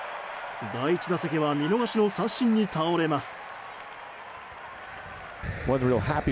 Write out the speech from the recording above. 第１打席は見逃しの三振に倒れます。